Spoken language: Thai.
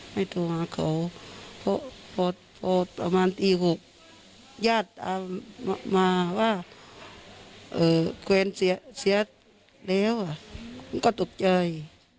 ไม่โทรหาเขาเพราะพอประมาณตี๖ญาติตามมาว่าแกวนเสียแล้วมันก็ตกใจ